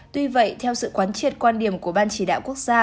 tuy vậy theo sự quán triệt quan điểm của ban chỉ đạo quốc gia